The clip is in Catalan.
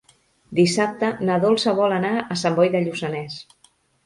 Dissabte na Dolça vol anar a Sant Boi de Lluçanès.